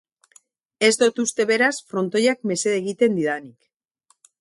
Ez dot uste beraz, frontoiak mesede egiten didanik.